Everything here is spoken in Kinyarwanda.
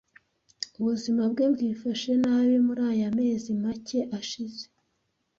Ubuzima bwe bwifashe nabi muri aya mezi make ashize.